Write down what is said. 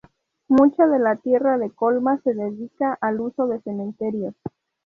Mucha de la tierra de Colma se dedica al uso de cementerios.